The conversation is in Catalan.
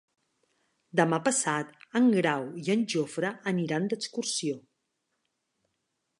Demà passat en Grau i en Jofre aniran d'excursió.